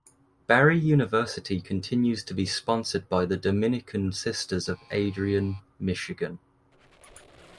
Barry University continues to be sponsored by the Dominican Sisters of Adrian, Michigan.